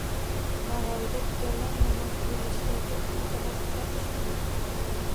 Navoiyda tugallanmagan qurilishdagi plitalar qulab tushdimi?